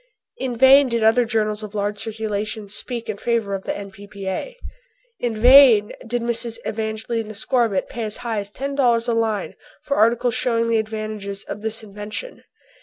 In vain did other journals of large circulation speak in favor of the N.P.P.A. In vain did Mrs. Evangelina Scorbitt pay as high as $10 a line for articles showing the advantages of this invention.